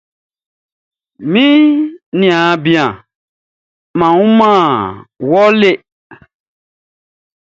Mi niaan bian, mʼan wunman wɔ lɔ.